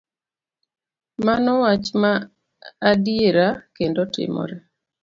Mano wach ma adiera kendo timore.